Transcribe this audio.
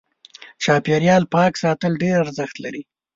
چاپېريال پاک ساتل ډېر ارزښت لري.